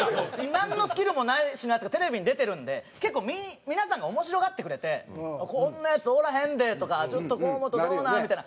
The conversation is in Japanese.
なんのスキルもないヤツがテレビに出てるんで結構皆さんが面白がってくれて「こんなヤツおらへんで！」とか「ちょっと河本どうなん？」みたいな。